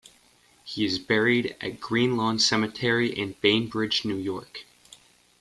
He is buried at Greenlawn Cemetery in Bainbridge, New York.